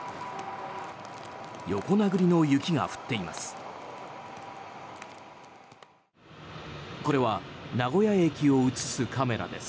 横殴りの雪が降っています。